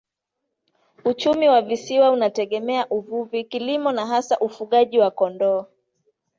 Uchumi wa visiwa unategemea uvuvi, kilimo na hasa ufugaji wa kondoo.